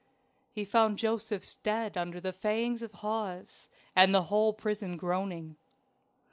He found Josephs dead under the fangs of Hawes, and the whole prison groaning.